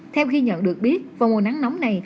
theo ghi nhận được biết vào mùa nắng nóng này